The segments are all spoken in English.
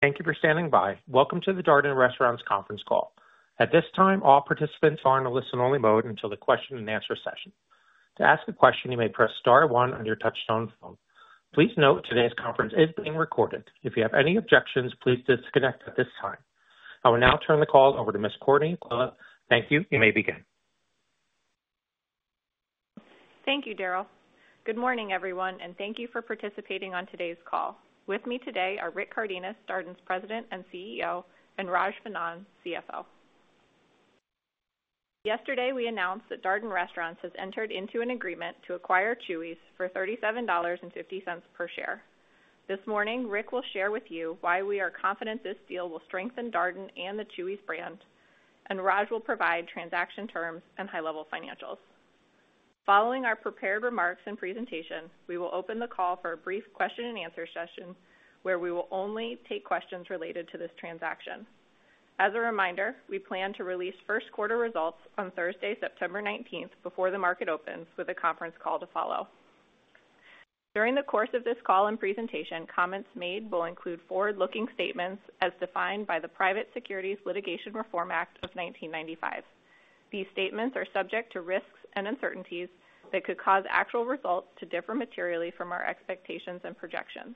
Thank you for standing by. Welcome to the Darden Restaurants conference call. At this time, all participants are in a listen-only mode until the question-and-answer session. To ask a question, you may press star one on your touchtone phone. Please note, today's conference is being recorded. If you have any objections, please disconnect at this time. I will now turn the call over to Ms. Courtney. Thank you. You may begin. Thank you, Daryl. Good morning, everyone, and thank you for participating on today's call. With me today are Rick Cardenas, Darden's President and CEO, and Raj Vennam, CFO. Yesterday, we announced that Darden Restaurants has entered into an agreement to acquire Chuy's for $37.50 per share. This morning, Rick will share with you why we are confident this deal will strengthen Darden and the Chuy's brand, and Raj will provide transaction terms and high-level financials. Following our prepared remarks and presentation, we will open the call for a brief question-and-answer session, where we will only take questions related to this transaction. As a reminder, we plan to release first quarter results on Thursday, September 19, before the market opens, with a conference call to follow. During the course of this call and presentation, comments made will include forward-looking statements as defined by the Private Securities Litigation Reform Act of 1995. These statements are subject to risks and uncertainties that could cause actual results to differ materially from our expectations and projections.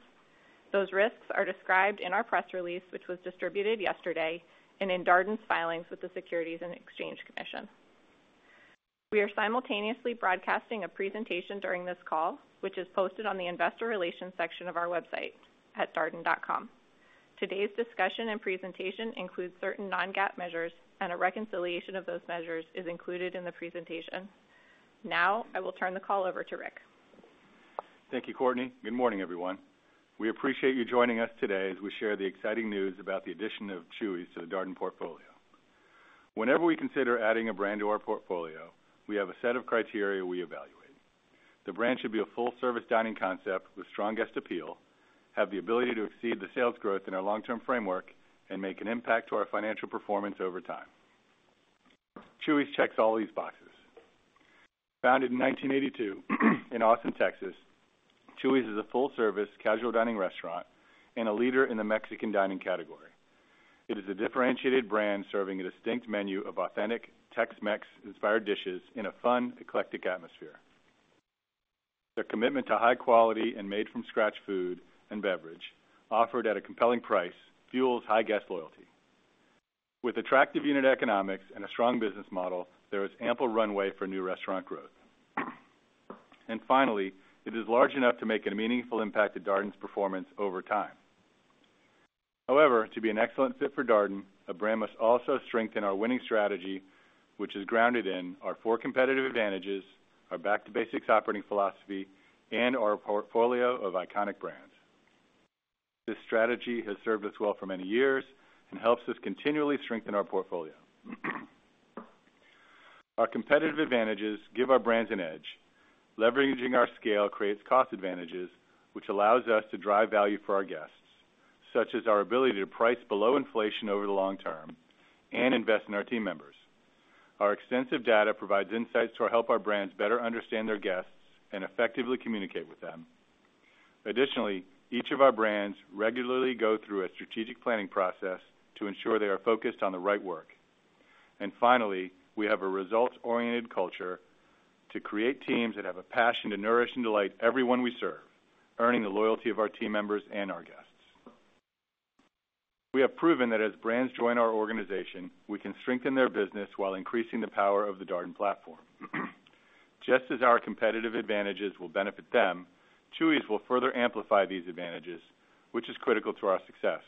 Those risks are described in our press release, which was distributed yesterday, and in Darden's filings with the Securities and Exchange Commission. We are simultaneously broadcasting a presentation during this call, which is posted on the Investor Relations section of our website at darden.com. Today's discussion and presentation includes certain non-GAAP measures, and a reconciliation of those measures is included in the presentation. Now, I will turn the call over to Rick. Thank you, Courtney. Good morning, everyone. We appreciate you joining us today as we share the exciting news about the addition of Chuy's to the Darden portfolio. Whenever we consider adding a brand to our portfolio, we have a set of criteria we evaluate. The brand should be a full-service dining concept with strong guest appeal, have the ability to exceed the sales growth in our long-term framework, and make an impact to our financial performance over time. Chuy's checks all these boxes. Founded in 1982 in Austin, Texas, Chuy's is a full-service casual dining restaurant and a leader in the Mexican dining category. It is a differentiated brand serving a distinct menu of authentic Tex-Mex inspired dishes in a fun, eclectic atmosphere. Their commitment to high quality and made-from-scratch food and beverage, offered at a compelling price, fuels high guest loyalty. With attractive unit economics and a strong business model, there is ample runway for new restaurant growth. And finally, it is large enough to make a meaningful impact to Darden's performance over time. However, to be an excellent fit for Darden, a brand must also strengthen our winning strategy, which is grounded in our four competitive advantages, our Back-to-Basics operating philosophy, and our portfolio of iconic brands. This strategy has served us well for many years and helps us continually strengthen our portfolio. Our competitive advantages give our brands an edge. Leveraging our scale creates cost advantages, which allows us to drive value for our guests, such as our ability to price below inflation over the long term and invest in our team members. Our extensive data provides insights to help our brands better understand their guests and effectively communicate with them. Additionally, each of our brands regularly go through a strategic planning process to ensure they are focused on the right work. Finally, we have a results-oriented culture to create teams that have a passion to nourish and delight everyone we serve, earning the loyalty of our team members and our guests. We have proven that as brands join our organization, we can strengthen their business while increasing the power of the Darden platform. Just as our competitive advantages will benefit them, Chuy's will further amplify these advantages, which is critical to our success.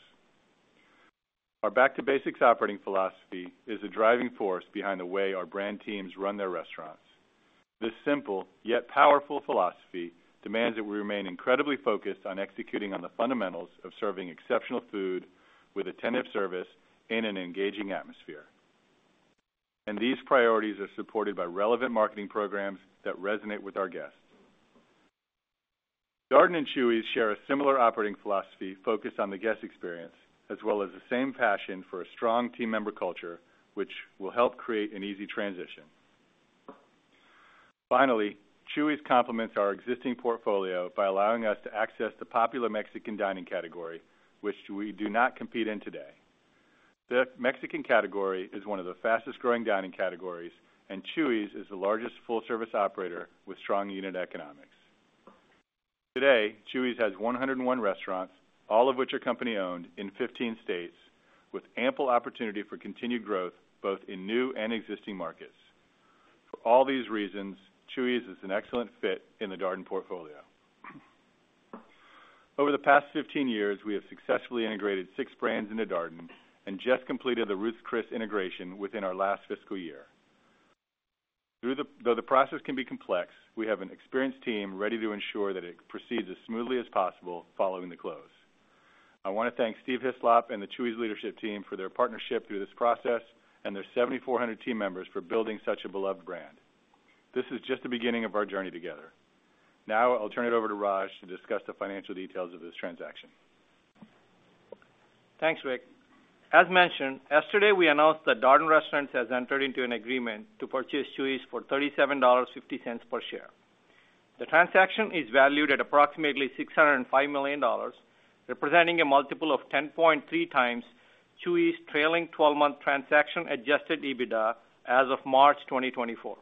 Our back-to-basics operating philosophy is the driving force behind the way our brand teams run their restaurants. This simple, yet powerful philosophy demands that we remain incredibly focused on executing on the fundamentals of serving exceptional food with attentive service in an engaging atmosphere. These priorities are supported by relevant marketing programs that resonate with our guests. Darden and Chuy's share a similar operating philosophy focused on the guest experience, as well as the same passion for a strong team member culture, which will help create an easy transition. Finally, Chuy's complements our existing portfolio by allowing us to access the popular Mexican dining category, which we do not compete in today. The Mexican category is one of the fastest-growing dining categories, and Chuy's is the largest full-service operator with strong unit economics. Today, Chuy's has 101 restaurants, all of which are company-owned, in 15 states, with ample opportunity for continued growth, both in new and existing markets. For all these reasons, Chuy's is an excellent fit in the Darden portfolio. Over the past 15 years, we have successfully integrated six brands into Darden and just completed the Ruth's Chris integration within our last fiscal year. Though the process can be complex, we have an experienced team ready to ensure that it proceeds as smoothly as possible following the close. I want to thank Steve Hyslop and the Chuy's leadership team for their partnership through this process, and their 7,400 team members for building such a beloved brand. This is just the beginning of our journey together. Now, I'll turn it over to Raj to discuss the financial details of this transaction. Thanks, Rick. As mentioned, yesterday, we announced that Darden Restaurants has entered into an agreement to purchase Chuy's for $37.50 per share. ...The transaction is valued at approximately $605 million, representing a multiple of 10.3x Chuy's trailing 12 month Transaction Adjusted EBITDA as of March 2024.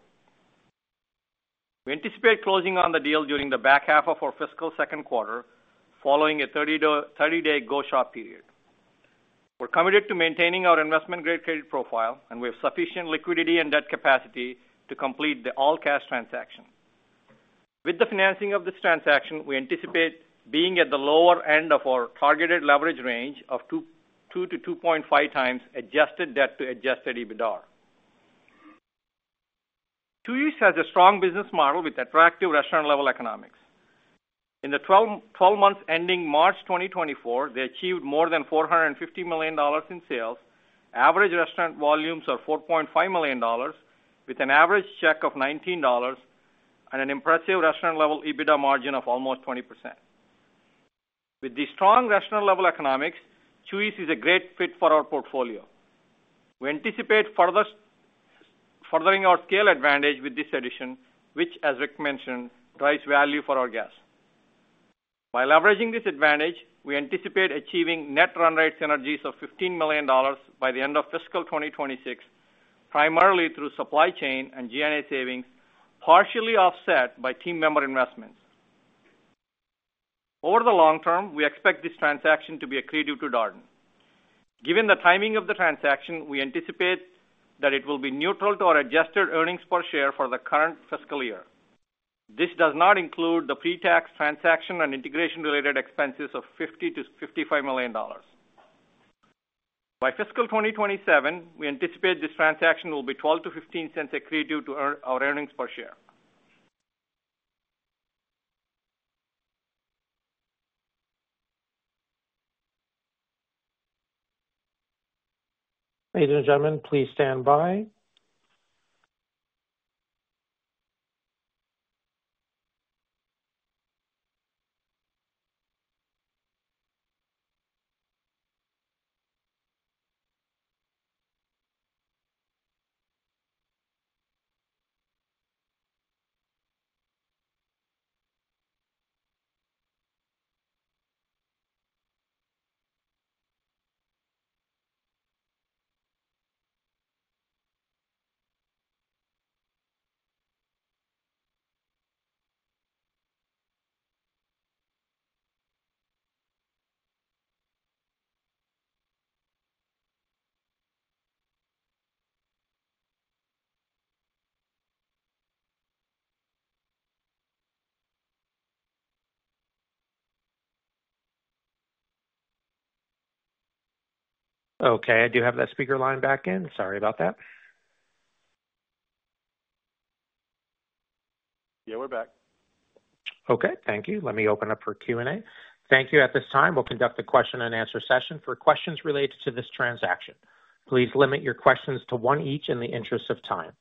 We anticipate closing on the deal during the back ½ of our fiscal second quarter, following a 30-day go-shop period. We're committed to maintaining our investment-grade credit profile, and we have sufficient liquidity and debt capacity to complete the all-cash transaction. With the financing of this transaction, we anticipate being at the lower end of our targeted leverage range of 2-2.5x Adjusted Debt to Adjusted EBITDA. Chuy's has a strong business model with attractive restaurant-level economics. In the 12 months ending March 2024, they achieved more than $450 million in sales, average restaurant volumes of $4.5 million, with an average check of $19 and an impressive Restaurant-Level EBITDA margin of almost 20%. With the strong restaurant-level economics, Chuy's is a great fit for our portfolio. We anticipate furthering our scale advantage with this addition, which, as Rick mentioned, drives value for our guests. By leveraging this advantage, we anticipate achieving net run rate synergies of $15 million by the end of fiscal 2026, primarily through supply chain and G&A savings, partially offset by team member investments. Over the long term, we expect this transaction to be accretive to Darden. Given the timing of the transaction, we anticipate that it will be neutral to our adjusted earnings per share for the current fiscal year. This does not include the pre-tax transaction and integration-related expenses of $50-$55 million. By fiscal 2027, we anticipate this transaction will be $0.12-$0.15 accretive to our earnings per share. Ladies and gentlemen, please stand by. Okay, I do have that speaker line back in. Sorry about that. Yeah, we're back. Okay, thank you. Let me open up for Q&A. Thank you. At this time, we'll conduct a question-and-answer session for questions related to this transaction. Please limit your questions to one each in the interest of time.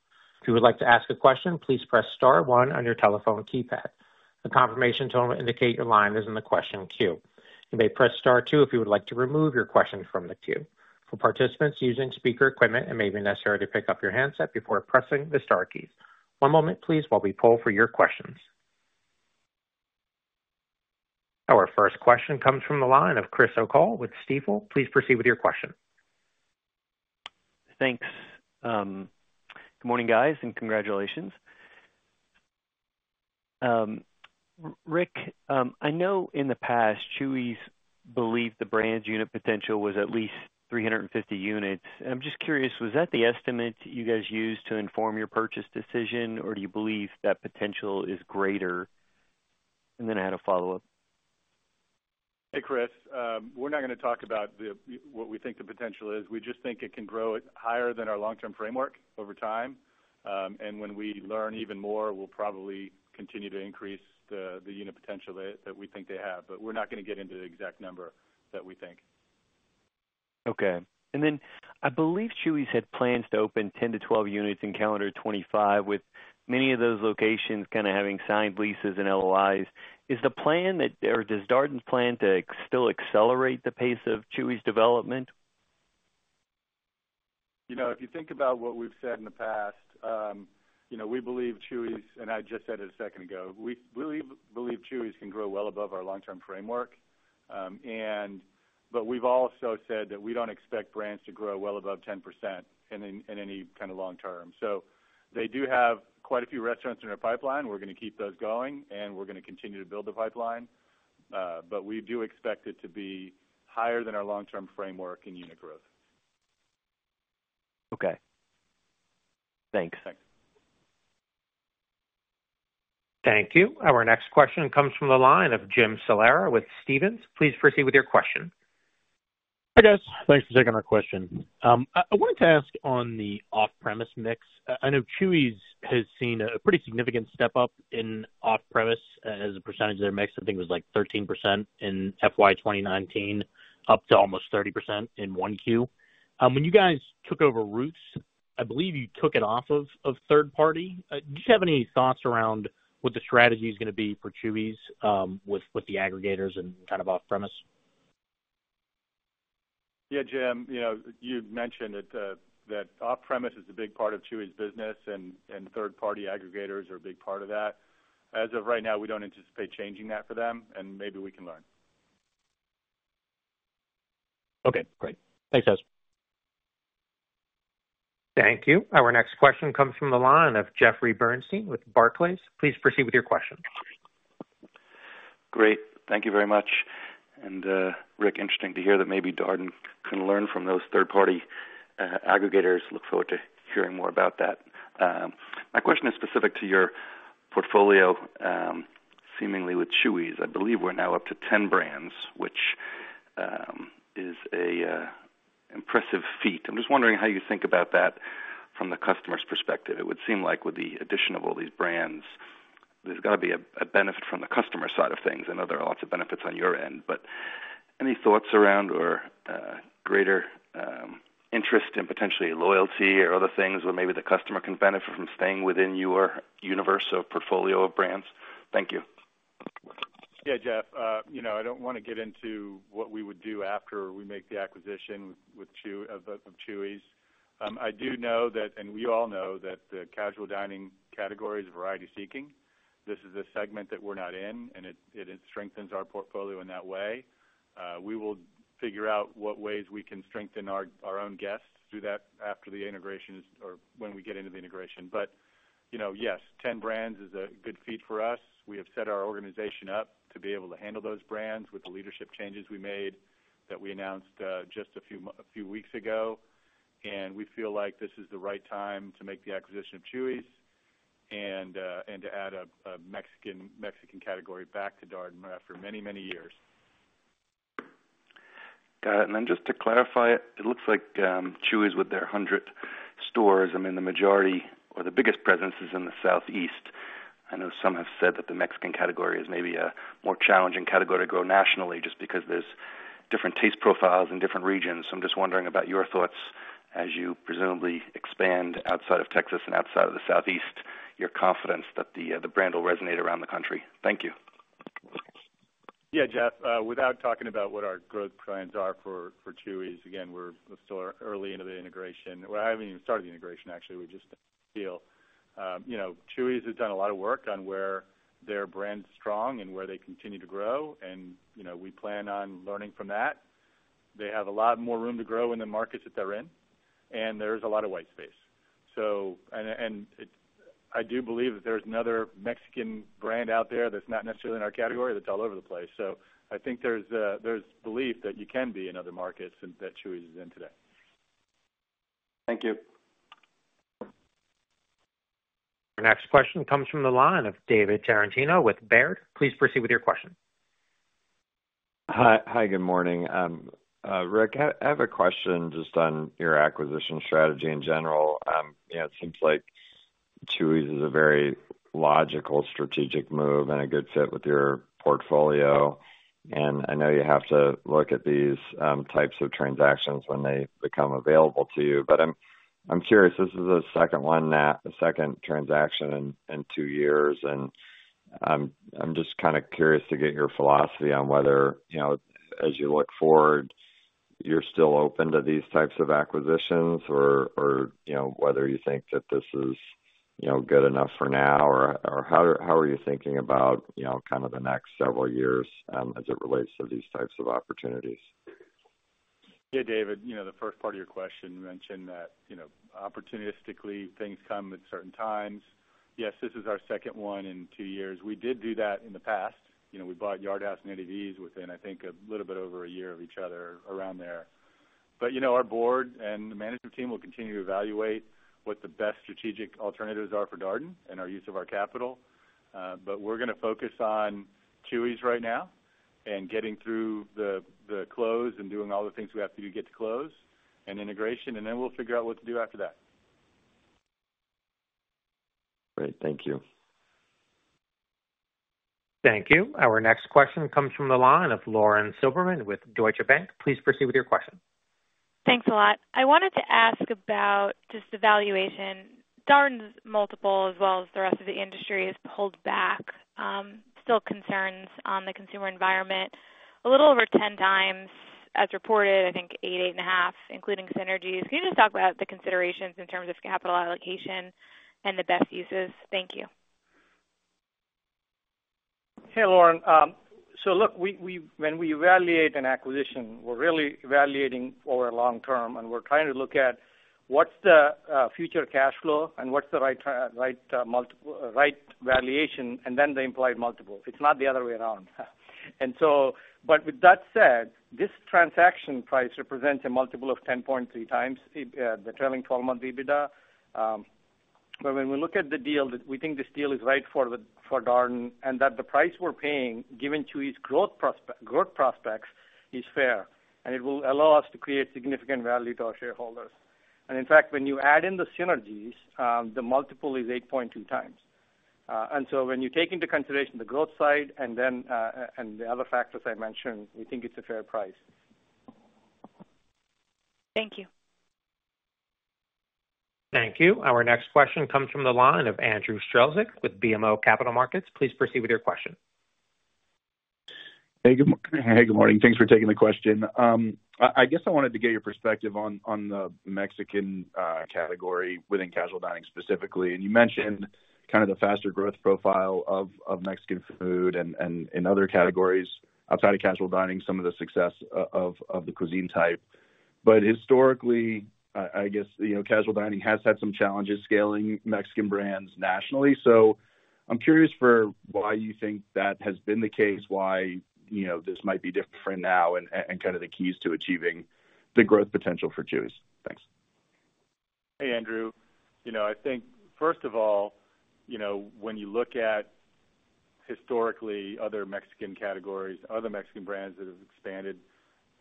If you would like to ask a question, please press star one on your telephone keypad. A confirmation tone will indicate your line is in the question queue. You may press star two if you would like to remove your question from the queue. For participants using speaker equipment, it may be necessary to pick up your handset before pressing the star keys. One moment, please, while we poll for your questions. Our first question comes from the line of Chris O'Cull with Stifel. Please proceed with your question. Thanks. Good morning, guys, and congratulations. Rick, I know in the past, Chuy's believed the brand's unit potential was at least 350 units. And I'm just curious, was that the estimate you guys used to inform your purchase decision, or do you believe that potential is greater? And then I had a follow-up. Hey, Chris, we're not gonna talk about the—what we think the potential is. We just think it can grow it higher than our long-term framework over time. And when we learn even more, we'll probably continue to increase the unit potential that we think they have. But we're not gonna get into the exact number that we think. Okay. And then I believe Chuy's had plans to open 10-12 units in calendar 2025, with many of those locations kind of having signed leases and LOIs. Is the plan that, or does Darden plan to still accelerate the pace of Chuy's development? You know, if you think about what we've said in the past, you know, we believe Chuy's, and I just said it a second ago, we believe, believe Chuy's can grow well above our long-term framework. But we've also said that we don't expect brands to grow well above 10% in any kind of long term. So they do have quite a few restaurants in their pipeline. We're gonna keep those going, and we're gonna continue to build the pipeline. But we do expect it to be higher than our long-term framework in unit growth. Okay. Thanks. Thanks. Thank you. Our next question comes from the line of Jim Salera with Stephens. Please proceed with your question. Hi, guys. Thanks for taking our question. I wanted to ask on the off-premise mix. I know Chuy's has seen a pretty significant step up in off-premise as a percentage of their mix. I think it was, like, 13% in FY 2019, up to almost 30% in 1Q. When you guys took over Ruth's, I believe you took it off of third party. Do you have any thoughts around what the strategy is gonna be for Chuy's, with the aggregators and kind of off-premise?... Yeah, Jim, you know, you'd mentioned that off-premise is a big part of Chuy's business, and third-party aggregators are a big part of that. As of right now, we don't anticipate changing that for them, and maybe we can learn. Okay, great. Thanks, guys. Thank you. Our next question comes from the line of Jeffrey Bernstein with Barclays. Please proceed with your question. Great. Thank you very much. And, Rick, interesting to hear that maybe Darden can learn from those third party aggregators. Look forward to hearing more about that. My question is specific to your portfolio, seemingly with Chuy's. I believe we're now up to 10 brands, which is an impressive feat. I'm just wondering how you think about that from the customer's perspective. It would seem like with the addition of all these brands, there's got to be a benefit from the customer side of things. I know there are lots of benefits on your end, but any thoughts around or greater interest in potentially loyalty or other things where maybe the customer can benefit from staying within your universe of portfolio of brands? Thank you. Yeah, Jeff, you know, I don't want to get into what we would do after we make the acquisition with Chuy's. I do know that, and we all know that the casual dining category is variety seeking. This is a segment that we're not in, and it strengthens our portfolio in that way. We will figure out what ways we can strengthen our own guests through that after the integration or when we get into the integration. But, you know, yes, 10 brands is a good feat for us. We have set our organization up to be able to handle those brands with the leadership changes we made that we announced just a few weeks ago, and we feel like this is the right time to make the acquisition of Chuy's and to add a Mexican category back to Darden after many, many years. Got it. Then just to clarify, it looks like, Chuy's, with their 100 stores, I mean, the majority or the biggest presence is in the Southeast. I know some have said that the Mexican category is maybe a more challenging category to grow nationally, just because there's different taste profiles in different regions. So I'm just wondering about your thoughts as you presumably expand outside of Texas and outside of the Southeast, your confidence that the, the brand will resonate around the country. Thank you. Yeah, Jeff, without talking about what our growth plans are for Chuy's, again, we're still early into the integration. Well, I haven't even started the integration, actually. We just feel, you know, Chuy's has done a lot of work on where their brand is strong and where they continue to grow, and, you know, we plan on learning from that. They have a lot more room to grow in the markets that they're in, and there's a lot of white space. So, I do believe that there's another Mexican brand out there that's not necessarily in our category, that's all over the place. So I think there's belief that you can be in other markets that Chuy's is in today. Thank you. Our next question comes from the line of David Tarantino with Baird. Please proceed with your question. Hi. Hi, good morning. Rick, I have a question just on your acquisition strategy in general. You know, it seems like Chuy's is a very logical, strategic move and a good fit with your portfolio. And I know you have to look at these types of transactions when they become available to you, but I'm curious, this is the second one now, the second transaction in two years. And I'm just kind of curious to get your philosophy on whether, you know, as you look forward, you're still open to these types of acquisitions or, you know, whether you think that this is, you know, good enough for now, or how are you thinking about, you know, kind of the next several years, as it relates to these types of opportunities? Yeah, David, you know, the first part of your question, you know, opportunistically, things come at certain times. Yes, this is our second one in two years. We did do that in the past. You know, we bought Yard House and Eddie V's within, I think, a little bit over a year of each other, around there. But, you know, our board and the management team will continue to evaluate what the best strategic alternatives are for Darden and our use of our capital. But we're gonna focus on Chuy's right now and getting through the, the close and doing all the things we have to do to get to close and integration, and then we'll figure out what to do after that. Great. Thank you. Thank you. Our next question comes from the line of Lauren Silberman with Deutsche Bank. Please proceed with your question. Thanks a lot. I wanted to ask about just the valuation. Darden's multiple, as well as the rest of the industry, has pulled back, still concerns on the consumer environment. A little over 10x as reported, I think 8x, 8.5x, including synergies. Can you just talk about the considerations in terms of capital allocation and the best uses? Thank you. Hey, Lauren. So look, when we evaluate an acquisition, we're really evaluating over long term, and we're trying to look at what's the future cash flow and what's the right multiple, right valuation, and then the implied multiples. It's not the other way around. But with that said, this transaction price represents a multiple of 10.3x the trailing twelve-month EBITDA. But when we look at the deal, we think this deal is right for Darden, and that the price we're paying, given Chuy's growth prospects, is fair, and it will allow us to create significant value to our shareholders. And in fact, when you add in the synergies, the multiple is 8.2x. And so when you take into consideration the growth side and then and the other factors I mentioned, we think it's a fair price. Thank you. Thank you. Our next question comes from the line of Andrew Strelzik with BMO Capital Markets. Please proceed with your question. Hey, good morning. Thanks for taking the question. I guess I wanted to get your perspective on the Mexican category within casual dining, specifically. And you mentioned kind of the faster growth profile of Mexican food and in other categories outside of casual dining, some of the success of the cuisine type. But historically, I guess, you know, casual dining has had some challenges scaling Mexican brands nationally. So I'm curious for why you think that has been the case, why, you know, this might be different now, and kind of the keys to achieving the growth potential for Chuy's. Thanks. Hey, Andrew. You know, I think first of all, you know, when you look at historically other Mexican categories, other Mexican brands that have expanded,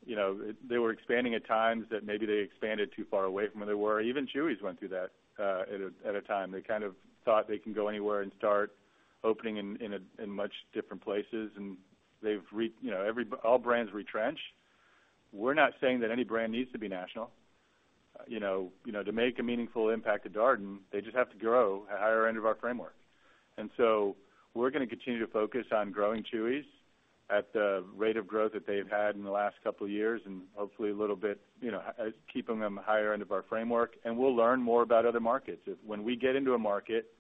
you know, they were expanding at times that maybe they expanded too far away from where they were. Even Chuy's went through that at a time. They kind of thought they can go anywhere and start opening in much different places. You know, all brands retrench. We're not saying that any brand needs to be national. You know, you know, to make a meaningful impact at Darden, they just have to grow at the higher end of our framework. And so we're gonna continue to focus on growing Chuy's at the rate of growth that they've had in the last couple of years, and hopefully a little bit, you know, keeping them higher end of our framework. And we'll learn more about other markets. When we get into a market,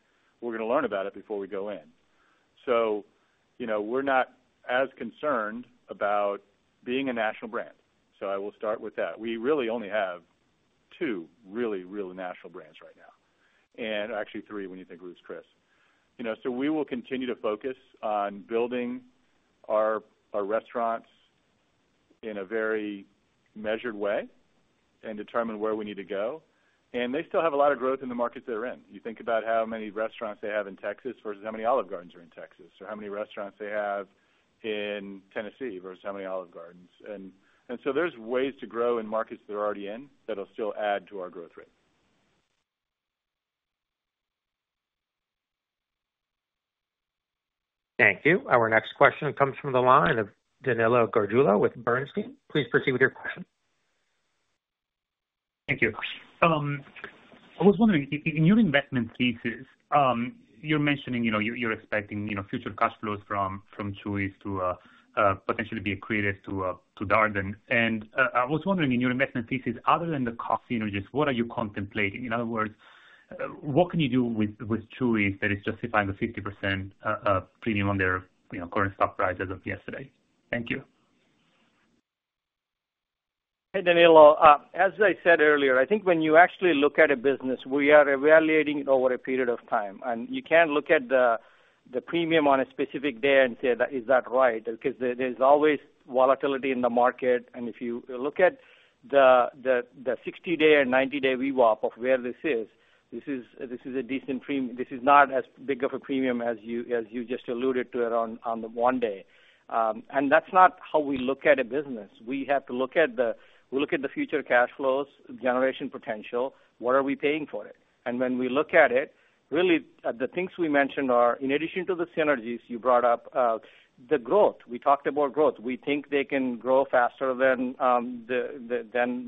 we're gonna learn about it before we go in. So, you know, we're not as concerned about being a national brand. So I will start with that. We really only have two really, really national brands right now, and actually three, when you think of Ruth's Chris. You know, so we will continue to focus on building our, our restaurants in a very measured way and determine where we need to go. And they still have a lot of growth in the markets they're in. You think about how many restaurants they have in Texas versus how many Olive Gardens are in Texas, or how many restaurants they have in Tennessee versus how many Olive Gardens. And so there's ways to grow in markets they're already in that'll still add to our growth rate. Thank you. Our next question comes from the line of Danilo Gargiulo with Bernstein. Please proceed with your question. Thank you. I was wondering, in your investment thesis, you're mentioning, you know, you're expecting, you know, future cash flows from Chuy's to potentially be accretive to Darden. And, I was wondering, in your investment thesis, other than the cost synergies, what are you contemplating? In other words, what can you do with Chuy's that is justifying the 50% premium on their, you know, current stock price as of yesterday? Thank you. Hey, Danilo. As I said earlier, I think when you actually look at a business, we are evaluating it over a period of time, and you can't look at the premium on a specific day and say, "Is that right?" Because there's always volatility in the market. And if you look at the 60-day and 90-day VWAP of where this is, this is a decent prem- this is not as big of a premium as you just alluded to it on the one day. And that's not how we look at a business. We have to look at the- we look at the future cash flows, generation potential, what are we paying for it? And when we look at it, really, the things we mentioned are, in addition to the synergies you brought up, the growth. We talked about growth. We think they can grow faster than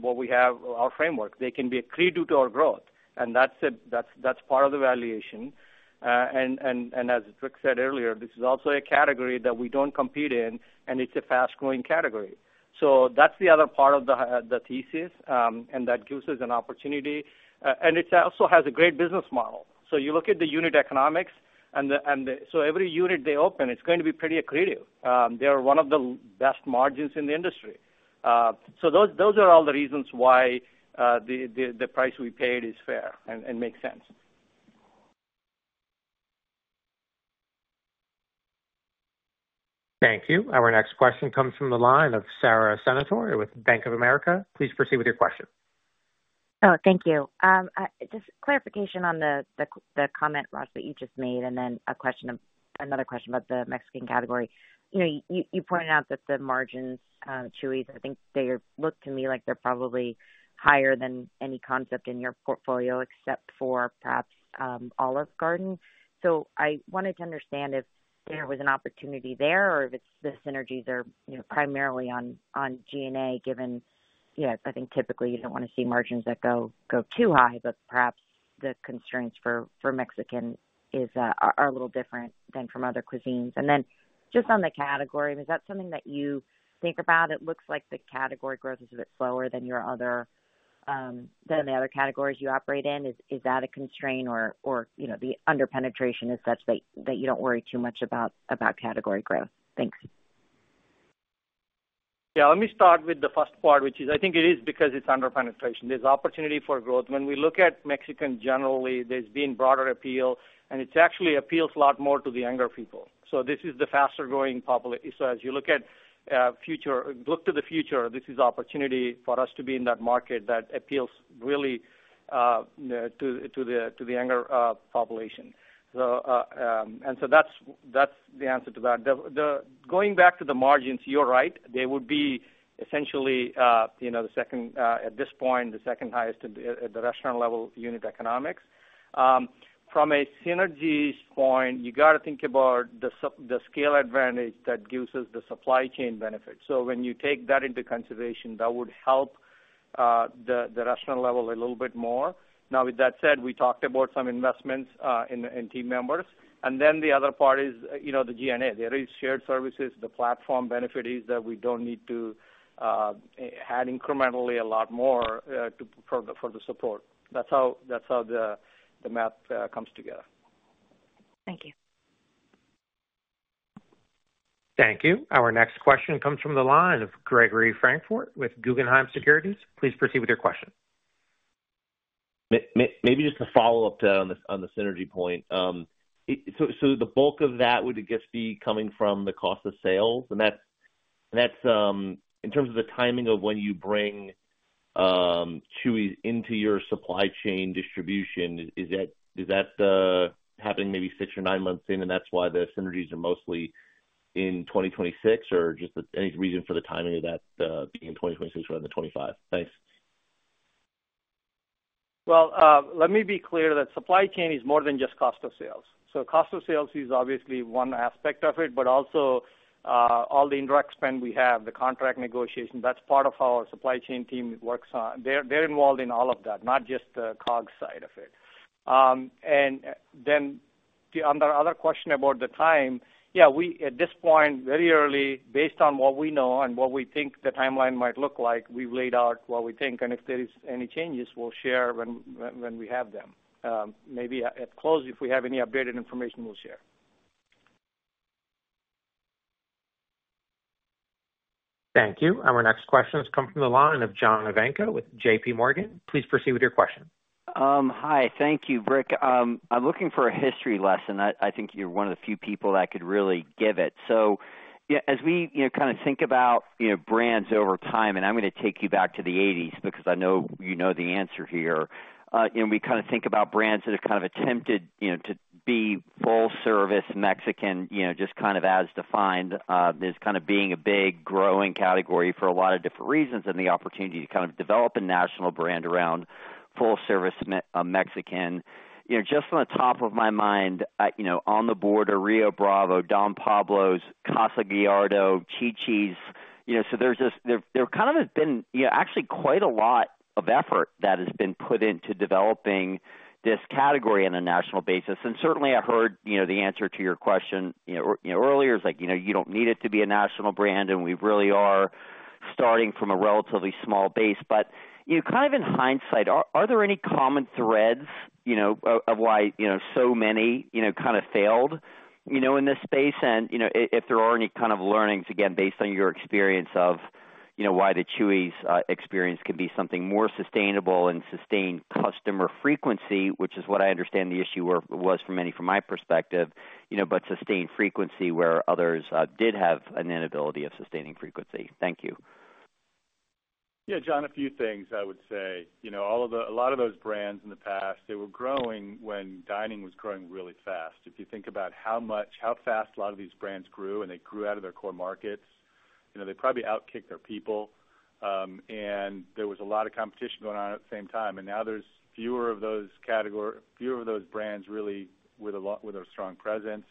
what we have our framework. They can be accretive to our growth, and that's it. That's part of the valuation. And as Rick said earlier, this is also a category that we don't compete in, and it's a fast-growing category. So that's the other part of the thesis, and that gives us an opportunity. And it also has a great business model. So you look at the unit economics and so every unit they open, it's going to be pretty accretive. They are one of the best margins in the industry. So those are all the reasons why the price we paid is fair and makes sense. Thank you. Our next question comes from the line of Sara Senatore with Bank of America. Please proceed with your question. Oh, thank you. Just clarification on the comment, Raj, that you just made, and then a question or another question about the Mexican category. You know, you pointed out that the margins, Chuy's, I think they look to me like they're probably higher than any concept in your portfolio, except for perhaps, Olive Garden. So I wanted to understand if there was an opportunity there, or if it's the synergies are, you know, primarily on G&A, given, you know, I think typically you don't want to see margins that go too high, but perhaps the concerns for Mexican is are a little different than from other cuisines. And then, just on the category, is that something that you think about? It looks like the category growth is a bit slower than your other than the other categories you operate in. Is that a constraint or, you know, the under-penetration is such that you don't worry too much about category growth? Thanks. Yeah, let me start with the first part, which is I think it is because it's under-penetration. There's opportunity for growth. When we look at Mexican generally, there's been broader appeal, and it actually appeals a lot more to the younger people. So this is the faster-growing. So as you look to the future, this is opportunity for us to be in that market that appeals really to the younger population. So that's the answer to that. Going back to the margins, you're right, they would be essentially, you know, the second at this point, the second highest at the restaurant level, unit economics. From a synergies point, you got to think about the scale advantage that gives us the supply chain benefit. So when you take that into consideration, that would help the restaurant level a little bit more. Now, with that said, we talked about some investments in team members, and then the other part is, you know, the G&A. There is shared services. The platform benefit is that we don't need to add incrementally a lot more to for the support. That's how the math comes together. Thank you. Thank you. Our next question comes from the line of Gregory Francfort with Guggenheim Securities. Please proceed with your question. Maybe just a follow-up to, on the, on the synergy point. It, so, so the bulk of that, would it just be coming from the cost of sales? And that's, and that's, in terms of the timing of when you bring Chuy's into your supply chain distribution, is that, is that, happening maybe six or nine months in, and that's why the synergies are mostly in 2026? Or just any reason for the timing of that, being in 2026 rather than 2025? Thanks. Well, let me be clear that supply chain is more than just cost of sales. So cost of sales is obviously one aspect of it, but also all the indirect spend we have, the contract negotiation, that's part of our supply chain team works on. They're involved in all of that, not just the COGS side of it. And then on the other question about the time, yeah, we at this point, very early, based on what we know and what we think the timeline might look like, we've laid out what we think, and if there is any changes, we'll share when we have them. Maybe at close, if we have any updated information, we'll share. Thank you. Our next question comes from the line of John Ivankoe with JPMorgan. Please proceed with your question. Hi. Thank you, Rick. I'm looking for a history lesson. I think you're one of the few people that could really give it. So, yeah, as we, you know, kind of think about, you know, brands over time, and I'm gonna take you back to the eighties because I know you know the answer here. And we kind of think about brands that have kind of attempted, you know, to be full service Mexican, you know, just kind of as defined, as kind of being a big, growing category for a lot of different reasons and the opportunity to kind of develop a national brand around full service Mexican. You know, just on the top of my mind, you know, On The Border, Rio Bravo, Don Pablo's, Casa Gallardo, Chi-Chi's. You know, so there's just kind of has been, you know, actually quite a lot of effort that has been put into developing this category on a national basis. And certainly, I heard, you know, the answer to your question, you know, earlier, is like, you know, you don't need it to be a national brand, and we really are starting from a relatively small base. But, you know, kind of in hindsight, are there any common threads, you know, of why, you know, so many, you know, kind of failed, you know, in this space? You know, if there are any kind of learnings, again, based on your experience of, you know, why the Chuy's experience could be something more sustainable and sustain customer frequency, which is what I understand the issue were, was for many from my perspective, you know, but sustained frequency where others did have an inability of sustaining frequency. Thank you. Yeah, John, a few things I would say. You know, all of the, a lot of those brands in the past, they were growing when dining was growing really fast. If you think about how much, how fast a lot of these brands grew, and they grew out of their core markets, you know, they probably outkicked their people, and there was a lot of competition going on at the same time. And now there's fewer of those category, fewer of those brands really with a lot-with a strong presence.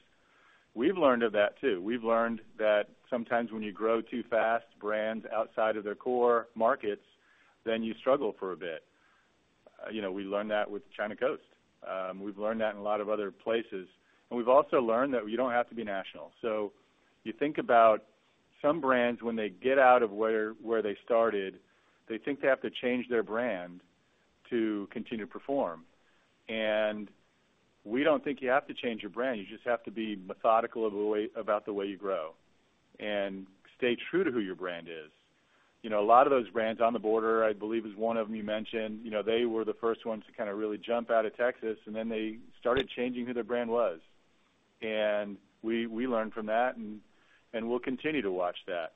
We've learned of that, too. We've learned that sometimes when you grow too fast, brands outside of their core markets, then you struggle for a bit. You know, we learned that with China Coast. We've learned that in a lot of other places. And we've also learned that you don't have to be national. So you think about some brands, when they get out of where, where they started, they think they have to change their brand to continue to perform. And we don't think you have to change your brand. You just have to be methodical of the way, about the way you grow and stay true to who your brand is. You know, a lot of those brands, On The Border, I believe, is one of them you mentioned, you know, they were the first ones to kind of really jump out of Texas, and then they started changing who their brand was. And we, we learned from that, and, and we'll continue to watch that.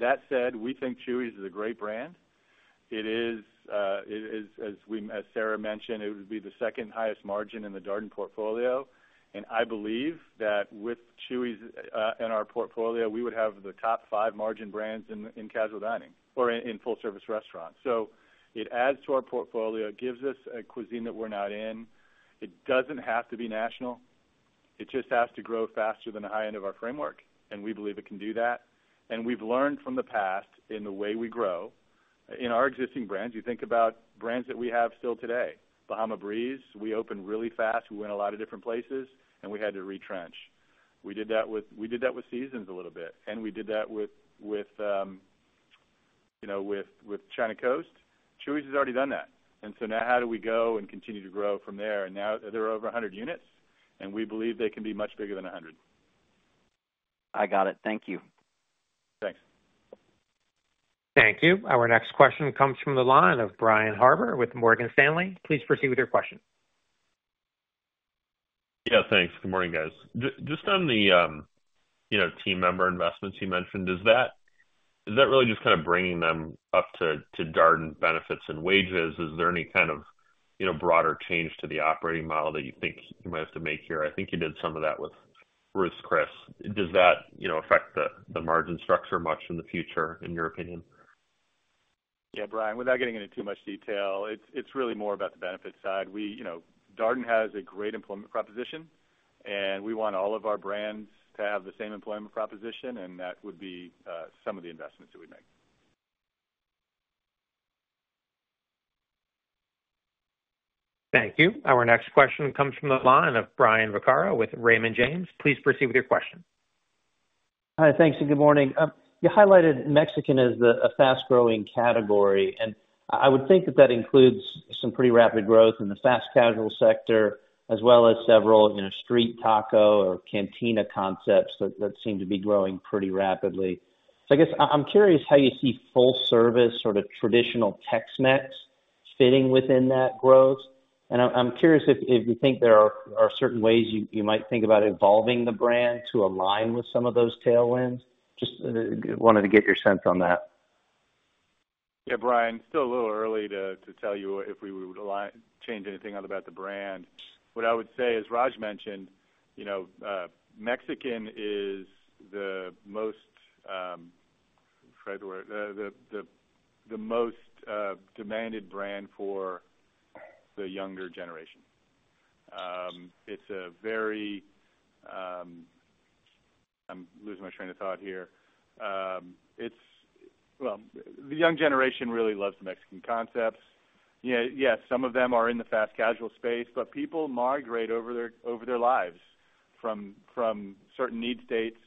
That said, we think Chuy's is a great brand. It is, as we, as Sarah mentioned, it would be the second highest margin in the Darden portfolio, and I believe that with Chuy's in our portfolio, we would have the top five margin brands in, in casual dining or in full service restaurants. So it adds to our portfolio, it gives us a cuisine that we're not in. It doesn't have to be national. It just has to grow faster than the high end of our framework, and we believe it can do that. And we've learned from the past in the way we grow. In our existing brands, you think about brands that we have still today. Bahama Breeze, we opened really fast. We went a lot of different places, and we had to retrench. We did that with, we did that with Seasons a little bit, and we did that with, with, you know, with China Coast. Chuy's has already done that. And so now how do we go and continue to grow from there? And now there are over 100 units, and we believe they can be much bigger than 100. I got it. Thank you. Thanks. Thank you. Our next question comes from the line of Brian Harbor with Morgan Stanley. Please proceed with your question. Yeah, thanks. Good morning, guys. Just on the, you know, team member investments you mentioned, is that really just kind of bringing them up to Darden benefits and wages? Is there any kind of, you know, broader change to the operating model that you think you might have to make here? I think you did some of that with Ruth's Chris. Does that, you know, affect the margin structure much in the future, in your opinion?... Yeah, Brian, without getting into too much detail, it's really more about the benefit side. We, you know, Darden has a great employment proposition, and we want all of our brands to have the same employment proposition, and that would be some of the investments that we make. Thank you. Our next question comes from the line of Brian Vaccaro with Raymond James. Please proceed with your question. Hi, thanks, and good morning. You highlighted Mexican as the, a fast-growing category, and I, I would think that that includes some pretty rapid growth in the fast casual sector, as well as several, you know, street taco or cantina concepts that, that seem to be growing pretty rapidly. So I guess I, I'm curious how you see full-service, sort of traditional Tex-Mex fitting within that growth. And I'm, I'm curious if, if you think there are, are certain ways you, you might think about evolving the brand to align with some of those tailwinds. Just wanted to get your sense on that. Yeah, Brian, still a little early to tell you if we would align—change anything about the brand. What I would say, as Raj mentioned, you know, Mexican is the most demanded brand for the younger generation. It's a very... Well, the young generation really loves Mexican concepts. Yeah, yes, some of them are in the fast casual space, but people migrate over their lives from certain need states.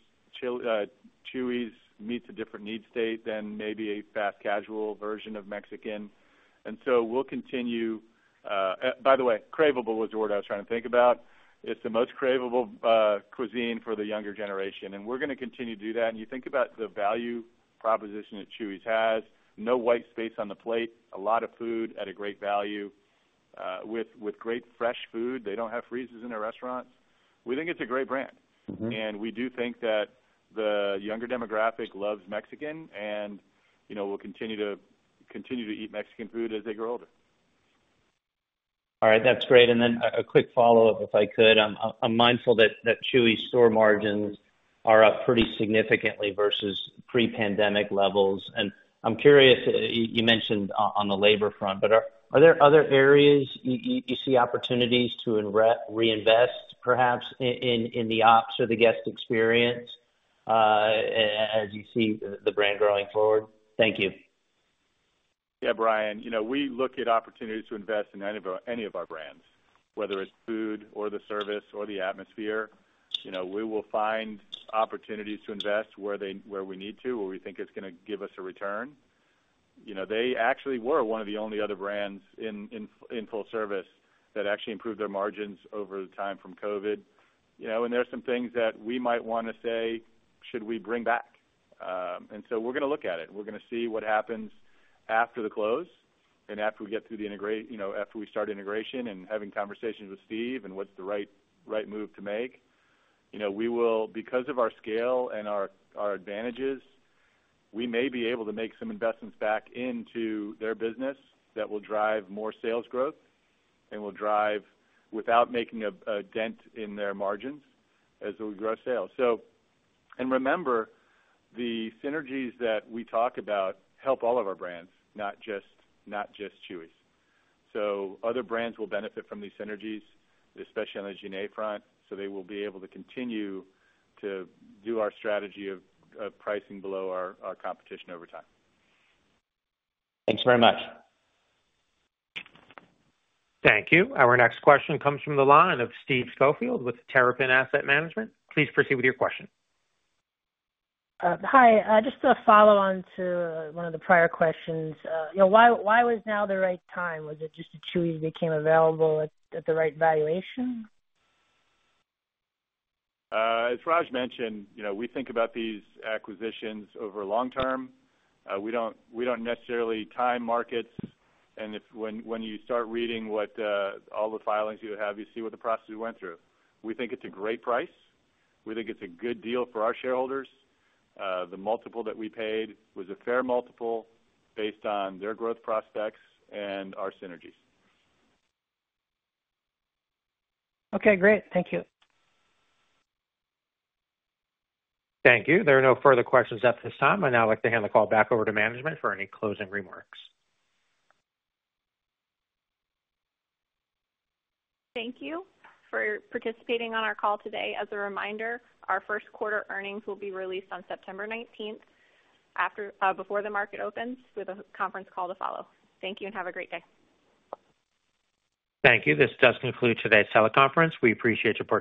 Chuy's meets a different need state than maybe a fast casual version of Mexican. And so we'll continue. By the way, craveable was the word I was trying to think about. It's the most craveable cuisine for the younger generation, and we're gonna continue to do that. You think about the value proposition that Chuy's has, no white space on the plate, a lot of food at a great value, with great fresh food. They don't have freezers in their restaurants. We think it's a great brand. Mm-hmm. We do think that the younger demographic loves Mexican and, you know, will continue to, continue to eat Mexican food as they grow older. All right. That's great. And then a quick follow-up, if I could. I'm mindful that Chuy's store margins are up pretty significantly versus pre-pandemic levels. And I'm curious, you mentioned on the labor front, but are there other areas you see opportunities to reinvest, perhaps, in the ops or the guest experience, as you see the brand growing forward? Thank you. Yeah, Brian, you know, we look at opportunities to invest in any of our, any of our brands, whether it's food or the service or the atmosphere. You know, we will find opportunities to invest where we need to, where we think it's gonna give us a return. You know, they actually were one of the only other brands in full service that actually improved their margins over the time from COVID. You know, and there are some things that we might wanna say, "Should we bring back?" And so we're gonna look at it. We're gonna see what happens after the close and after we get through the integration. You know, after we start integration and having conversations with Steve and what's the right, right move to make. You know, we will, because of our scale and our advantages, we may be able to make some investments back into their business that will drive more sales growth and will drive without making a dent in their margins as we grow sales. So, and remember, the synergies that we talk about help all of our brands, not just Chuy's. So other brands will benefit from these synergies, especially on the G&A front, so they will be able to continue to do our strategy of pricing below our competition over time. Thanks very much. Thank you. Our next question comes from the line of Steve Schofield with Terrapin Asset Management. Please proceed with your question. Hi, just to follow on to one of the prior questions. You know, why, why was now the right time? Was it just that Chuy's became available at the right valuation? As Raj mentioned, you know, we think about these acquisitions over long term. We don't necessarily time markets, and if, when you start reading what all the filings you have, you see what the process we went through. We think it's a great price. We think it's a good deal for our shareholders. The multiple that we paid was a fair multiple based on their growth prospects and our synergies. Okay, great. Thank you. Thank you. There are no further questions at this time. I'd now like to hand the call back over to management for any closing remarks. Thank you for participating on our call today. As a reminder, our first quarter earnings will be released on September nineteenth, after, before the market opens, with a conference call to follow. Thank you, and have a great day. Thank you. This does conclude today's teleconference. We appreciate your participation.